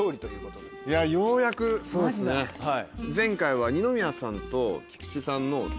ようやくそうですねはい。